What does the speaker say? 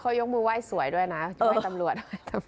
เขายกมือไหว้สวยด้วยนะช่วยตำรวจ